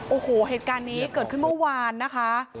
โอ้โหเหตุการณ์นี้เกิดขึ้นเมื่อวานนะคะ